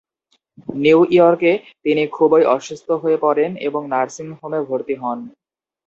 New ইয়র্কে তিনি খুবই অসুস্থ হয়ে পড়েন এবং নার্সিং হোমে ভর্তি হন।